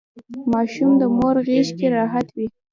ماشوم د مور غیږکې راحت وي.